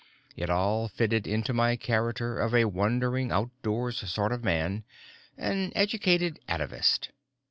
It all fitted into my character of a wandering, outdoors sort of man, an educated atavist.